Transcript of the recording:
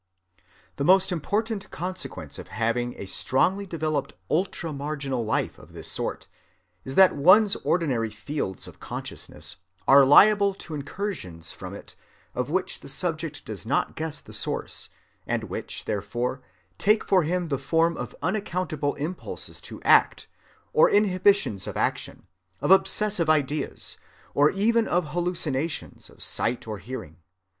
The most important consequence of having a strongly developed ultra‐ marginal life of this sort is that one's ordinary fields of consciousness are liable to incursions from it of which the subject does not guess the source, and which, therefore, take for him the form of unaccountable impulses to act, or inhibitions of action, of obsessive ideas, or even of hallucinations of sight or hearing.